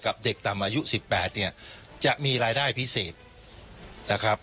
เด็กต่ำอายุ๑๘เนี่ยจะมีรายได้พิเศษนะครับ